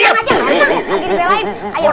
nggak pakai begini dulu